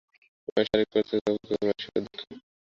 মানুষের শারীরিক পার্থক্য অপেক্ষা মানসিক পার্থক্য অধিক।